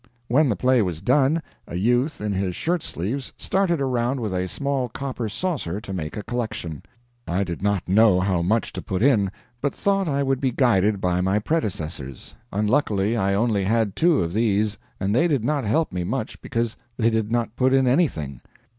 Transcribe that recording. When the play was done, a youth in his shirt sleeves started around with a small copper saucer to make a collection. I did not know how much to put in, but thought I would be guided by my predecessors. Unluckily, I only had two of these, and they did not help me much because they did not put in anything.